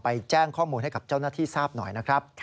แจ้งข้อมูลให้กับเจ้าหน้าที่ทราบหน่อยนะครับ